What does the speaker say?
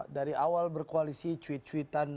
dari awal berkoalisi cuit cuitan